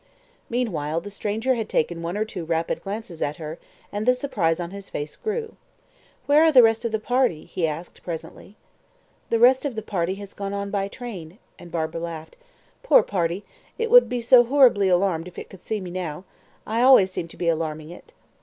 Meanwhile, the stranger had taken one or two rapid glances at her, and the surprise on his face grew. "Where are the rest of the party?" he asked presently. "The rest of the party has gone on by train," and Barbara laughed. "Poor party, it would be so horribly alarmed if it could see me now. I always seem to be alarming it."